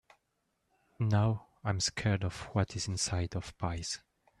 Now, I’m scared of what is inside of pies.